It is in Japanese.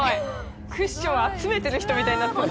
クッションを集めてる人みたいになってる。